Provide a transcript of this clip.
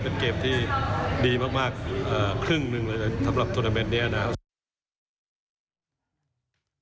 เป็นเกมที่ดีมากครึ่งหนึ่งเลยเลยสำหรับธุรกิจนี้นะ